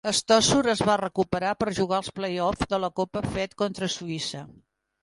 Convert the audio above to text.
Stosur es va recuperar per jugar els play-off de la Copa Fed contra Suïssa.